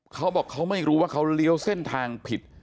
เขาบอกเขาไม่รู้ว่าเขาเลี้ยวเส้นทางผิด